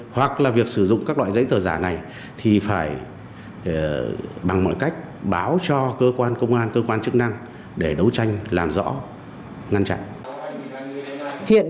hoặc là việc sử dụng các loại giấy tờ giả này thì phải bằng mọi cách báo cho cơ quan công an cơ quan chức năng để đấu tranh làm rõ ngăn chặn